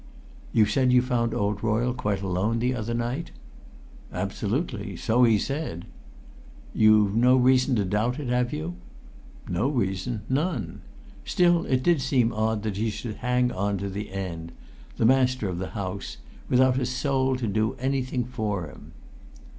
"You said you found old Royle quite alone the other night?" "Absolutely so he said." "You've no reason to doubt it, have you?" "No reason none. Still, it did seem odd that he should hang on to the end the master of the house without a soul to do anything for him."